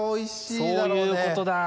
そういうことだ！